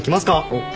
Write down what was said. おっ。